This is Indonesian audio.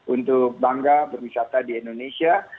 untuk bangga berwisata di indonesia